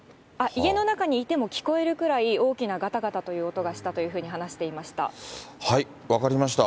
家の中にいても聞こえるくらい、大きながたがたという音がし分かりました。